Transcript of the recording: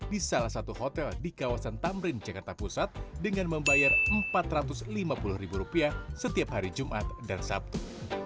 di salah satu hotel di kawasan tamrin jakarta pusat dengan membayar rp empat ratus lima puluh ribu rupiah setiap hari jumat dan sabtu